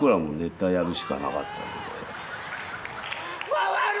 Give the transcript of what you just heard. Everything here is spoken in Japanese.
回る！